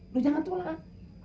lu jangan tolak